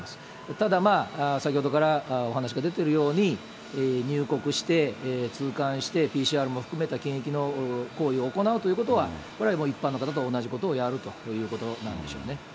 ただまあ、先ほどからお話が出ているように、入国して通関して、ＰＣＲも含めた検疫の行為を行うということは、これはもう一般の方と同じことをやるということなんでしょうね。